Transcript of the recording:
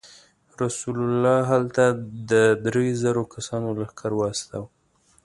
رسول الله هلته د درې زرو کسانو لښکر واستاوه.